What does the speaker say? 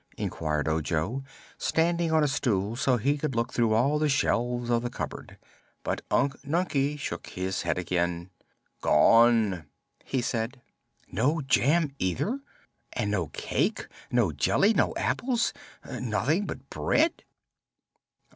inquired Ojo, standing on a stool so he could look through all the shelves of the cupboard. But Unc Nunkie shook his head again. "Gone," he said. "No jam, either? And no cake no jelly no apples nothing but bread?"